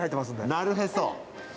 なるへそ。